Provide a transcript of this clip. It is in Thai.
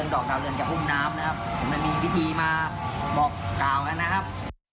ดอกดาวเรืองจากหุ้มน้ำนะครับผมจะมีพิธีมาบอกกล่าวกันนะครับ